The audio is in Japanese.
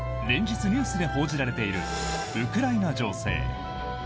連日ニュースで報じられているウクライナ情勢。